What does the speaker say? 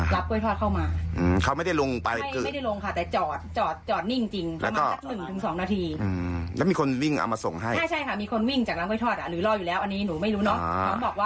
แล้วจะหล่ออยู่แล้วอันนี้หนูไม่รู้นะ